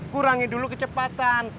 kurangi dulu kecepatan